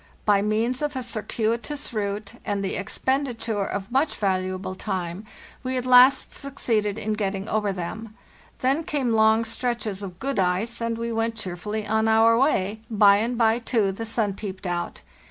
By means of a circuitous route, and the expenditure of much valuable time, we at last suc ceeded in getting over them. Then came long stretches of good ice, and we went cheerfully on our way; by and bye, too, the sun peeped out.